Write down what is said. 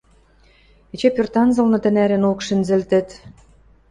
Эче пӧртанцылны тӹнӓрӹнок шӹнзӹлтӹт.